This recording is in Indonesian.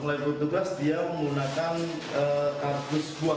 melalui petugas dia menggunakan kardus buah